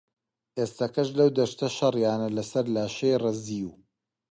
ئێستەکەش لەو دەشتە شەڕیانە لەسەر لاشەی ڕزیو